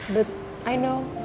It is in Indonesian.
tapi aku tahu